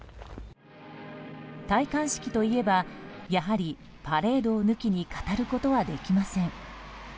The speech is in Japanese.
戴冠式といえばやはり、パレードを抜きに語ることはできません。